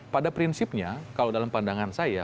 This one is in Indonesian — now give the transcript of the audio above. pada prinsipnya kalau dalam pandangan saya